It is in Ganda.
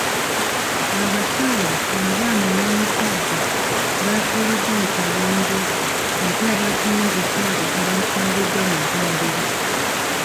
Abakyala, abaana n'omusajja baafiiridde mu kabenje, ate abaafunye ebisago baatwaliddwa mu ddwaliro.